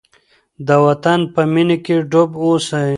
د وطن په مینه کې ډوب اوسئ.